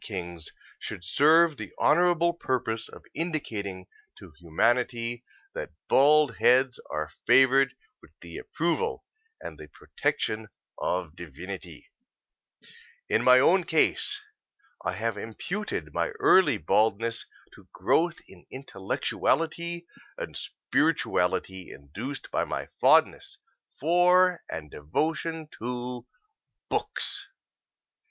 Kings should serve the honorable purpose of indicating to humanity that bald heads are favored with the approval and the protection of Divinity. In my own case I have imputed my early baldness to growth in intellectuality and spirituality induced by my fondness for and devotion to books.